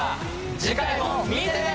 次回も見てね！